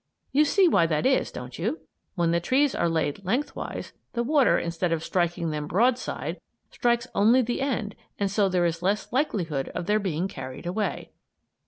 You see why that is, don't you? When the trees are laid lengthwise, the water, instead of striking them broadside, strikes only the end and so there is less likelihood of their being carried away.